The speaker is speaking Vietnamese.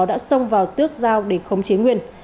đã xông vào tước giao để khống chế nguyên